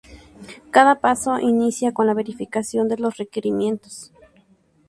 Cada paso inicia con la verificación de los requerimientos.